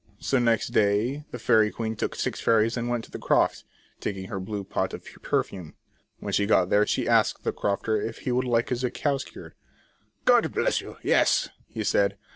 So next day the fairy queen took six fairies and went to the croft, taking her blue pot of perfume. When she got there she asked the crofter if he would like his cows cured ?" God bless you, yes !" he said.